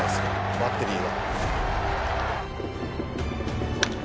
バッテリーは」